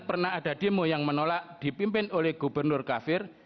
pernah ada demo yang menolak dipimpin oleh gubernur kafir